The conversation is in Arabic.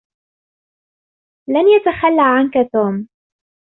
لن يتخلى عنك توم.